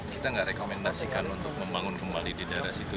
kita tidak rekomendasikan untuk membangun kembali di daerah situ